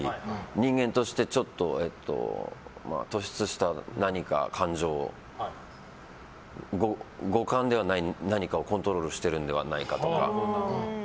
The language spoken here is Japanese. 人間として、ちょっと突出した何か感情五感ではない何かをコントロールしているのではないかとか。